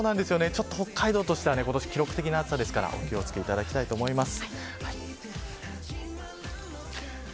北海道は記録的な暑さですからお気を付けいただきたいと思います。